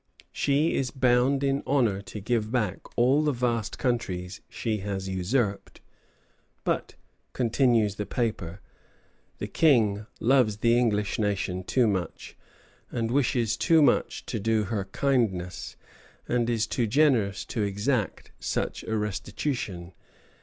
She is bound in honor to give back all the vast countries she has usurped; but, continues the paper, "the King loves the English nation too much, and wishes too much to do her kindness, and is too generous to exact such a restitution.